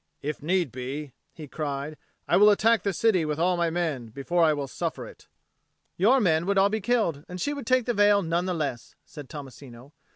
"If need be," he cried, "I will attack the city with all my men, before I will suffer it." "Your men would be all killed, and she would take the veil none the less," said Tommasino.